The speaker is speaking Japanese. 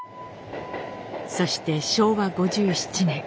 そして昭和５７年。